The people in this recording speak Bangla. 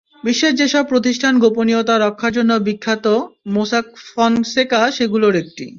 বিশ্বের যেসব প্রতিষ্ঠান গোপনীয়তা রক্ষার জন্য বিখ্যাত, মোসাক ফনসেকা সেগুলোর একটি।